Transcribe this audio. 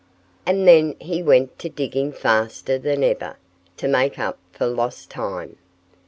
And then he went to digging faster than ever, to make up for lost time.